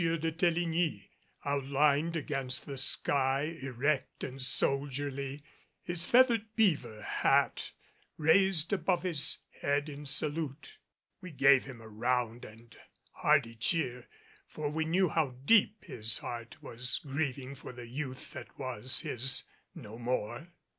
de Teligny outlined against the sky, erect and soldierly, his feathered beaver hat raised above his head in salute. We gave him a round and hearty cheer, for we knew how deep his heart was grieving for the youth that was his no more.